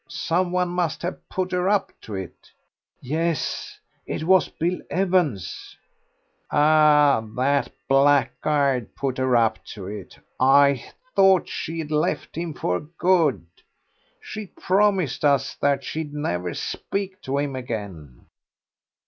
Some one must have put her up to it." "Yes, it was Bill Evans." "Ah, that blackguard put her up to it. I thought she'd left him for good. She promised us that she'd never speak to him again."